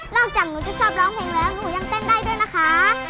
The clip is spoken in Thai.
จากหนูจะชอบร้องเพลงแล้วหนูยังเต้นได้ด้วยนะคะ